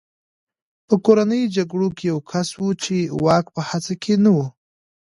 په کورنیو جګړو کې یو کس و چې واک په هڅه کې نه و